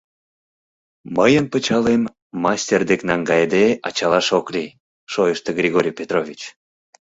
Мыйын пычалем, мастер дек наҥгайыде, ачалаш ок лий, — шойышто Григорий Петрович.